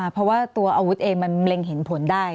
เพราะว่าตัวอาวุธเองมันเล็งเห็นผลได้